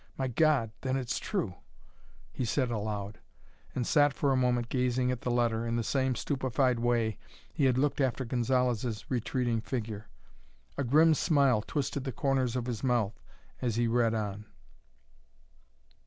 "My God, then, it's true!" he said aloud, and sat for a moment gazing at the letter in the same stupefied way he had looked after Gonzalez's retreating figure. A grim smile twisted the corners of his mouth as he read on.